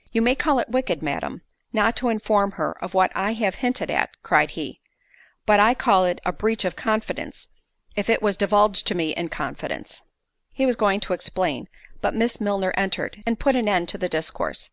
—— "You may call it wicked, Madam, not to inform her of what I have hinted at," cried he; "but I call it a breach of confidence—if it was divulged to me in confidence——" He was going to explain; but Miss Milner entered, and put an end to the discourse.